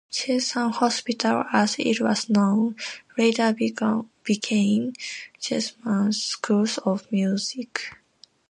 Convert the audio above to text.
Chetham's Hospital, as it was known, later became Chetham's School of Music.